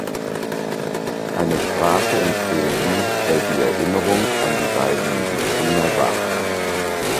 Eine Straße in Posen hält die Erinnerung an die beiden Mediziner wach.